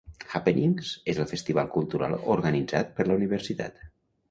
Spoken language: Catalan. "Happenings" és el festival cultural organitzat per la universitat.